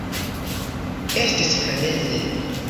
Estis freneze